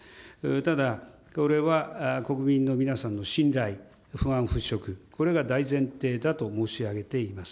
ただ、これは国民の皆さんの信頼、不安払拭、これが大前提だと申し上げています。